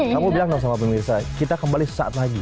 kamu bilang dong sama pemirsa kita kembali sesaat lagi